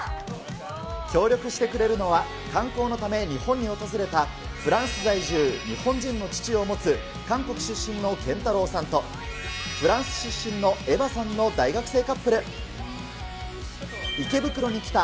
協力してくれるのは、観光のため日本に訪れたフランス在住、日本人の父を持つ韓国出身のケンタロウさんと、フランス出身のエヴァさんの大学生カップル。